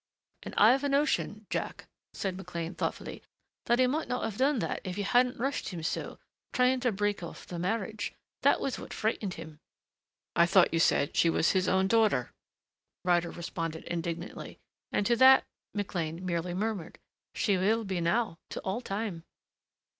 "And I've a notion, Jack," said McLean thoughtfully, "that he might not have done that if you hadn't rushed him so, trying to break off the marriage. That was what frightened him." "I thought you said she was his own daughter," Ryder responded indignantly, and to that McLean merely murmured, "She will be now, to all time."